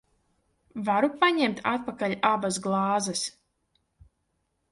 Varu paņemt atpakaļ abas glāzes?